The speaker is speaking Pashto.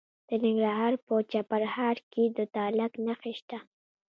د ننګرهار په چپرهار کې د تالک نښې شته.